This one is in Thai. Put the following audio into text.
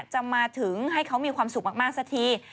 จะมาถึงให้เขามีความสุขมากสักที